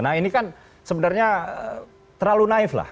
nah ini kan sebenarnya terlalu naif lah